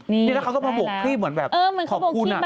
นี่แล้วเขาก็มาบวกพี่เหมือนแบบขอบคุณ